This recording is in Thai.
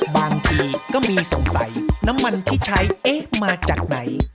บางทีก็มีสงสัยน้ำมันที่ใช้เอ๊ะมาจากไหน